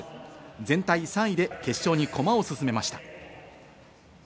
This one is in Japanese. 全体３位で決勝に駒を進めました。